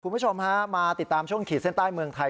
คุณผู้ชมฮะมาติดตามช่วงขีดเส้นใต้เมืองไทย